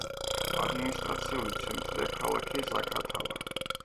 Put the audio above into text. ადმინისტრაციული ცენტრია ქალაქი ზაქათალა.